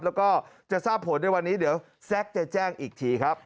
แล้วก็จะทราบผลในวันนี้เดี๋ยวแซ็กจะแจ้งอีกทีครับ